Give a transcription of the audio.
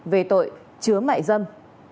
về tội chứa mại dâm